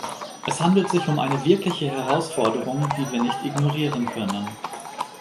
Es handelt sich um eine wirkliche Herausforderung, die wir nicht ignorieren können.